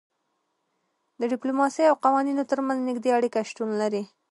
د ډیپلوماسي او قوانینو ترمنځ نږدې اړیکه شتون لري